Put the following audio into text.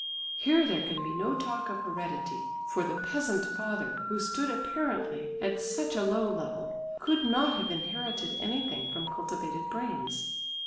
Here there can be no talk of heredity, for the peasant father who stood apparently at such a low level, could not have inherited anything from cultivated brains.